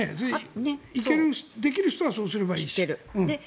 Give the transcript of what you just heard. できる人はそうすればいいし。